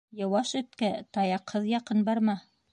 Йыуаш эткә таяҡһыҙ яҡын барма.